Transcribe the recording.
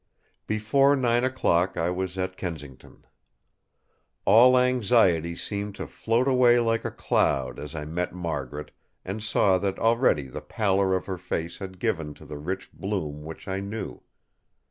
Before nine o'clock I was at Kensington. All anxiety seemed to float away like a cloud as I met Margaret, and saw that already the pallor of her face had given to the rich bloom which I knew.